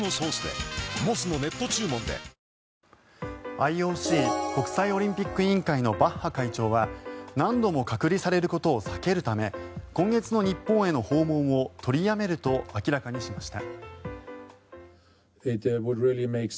ＩＯＣ・国際オリンピック委員会のバッハ会長は何度も隔離されることを避けるため今月の日本への訪問を取りやめると明らかにしました。